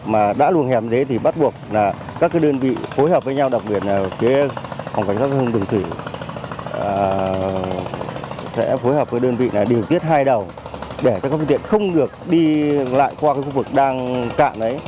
mà đã luồng hẻm thế thì bắt buộc là các đơn vị phối hợp với nhau đặc biệt là phía phòng cảnh sát giao thông đường thủy sẽ phối hợp với đơn vị điều tiết hai đầu để các phương tiện không được đi lại qua khu vực đang cạn đấy